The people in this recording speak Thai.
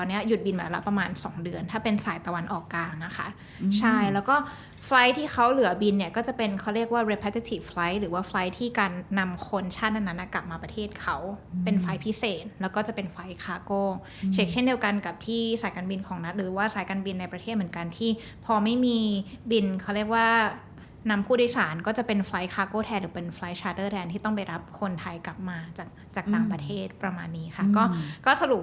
กลับมาประเทศเขาเป็นไฟล์ทพิเศษแล้วก็จะเป็นไฟล์ทคาร์โก้เช่นเดียวกันกับที่สายการบินของนัดหรือว่าสายการบินในประเทศเหมือนกันที่พอไม่มีบินเขาเรียกว่านำผู้ได้สารก็จะเป็นไฟล์ทคาร์โก้แทนหรือเป็นไฟล์ทชาร์เตอร์แทนที่ต้องไปรับคนไทยกลับมาจากต่างประเทศประมาณนี้ค่ะก็สรุปว